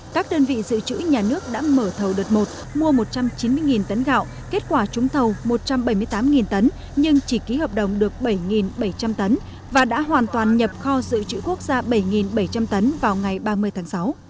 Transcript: các đơn vị dự trữ nhà nước đã mở thầu đợt một mua một trăm chín mươi tấn gạo kết quả trúng thầu một trăm bảy mươi tám tấn nhưng chỉ ký hợp đồng được bảy bảy trăm linh tấn và đã hoàn toàn nhập kho dự trữ quốc gia bảy bảy trăm linh tấn vào ngày ba mươi tháng sáu